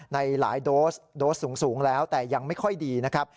ในหลายโดสโดสสูงแล้วแต่ยังไม่ค่อยดีนะครับ